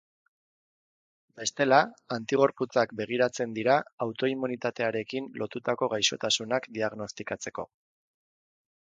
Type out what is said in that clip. Bestela, antigorputzak begiratzen dira autoimmunitatearekin lotutako gaixotasunak diagnostikatzeko.